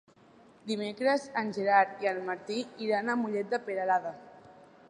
Dimecres en Gerard i en Martí iran a Mollet de Peralada.